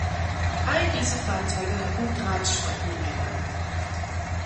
All diese Fahrzeuge hatten Drahtspeichenräder.